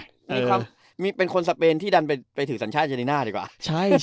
มีความเป็นคนสเปนที่ดันไปถือสัญชาติเจนีน่าดีกว่า